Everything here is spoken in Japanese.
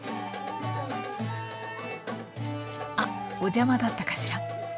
あっお邪魔だったかしら。